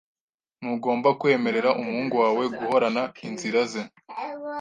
Ntugomba kwemerera umuhungu wawe guhorana inzira ze .